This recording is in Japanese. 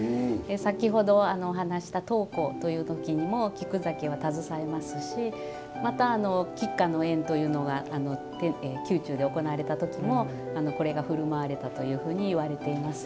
先ほど、お話しした登高という時にも、菊酒は携えますしまた菊花の宴というのが宮中で行われた時もこれがふるまわれたというふうにいわれています。